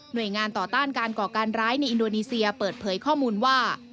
โดยงานต่อต้านการก่อการร้ายในอินโดนีเซียเปิดเผยข้อมูลว่า